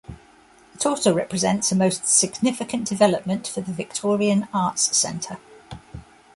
It also represents a most significant development for the Victorian Arts Centre.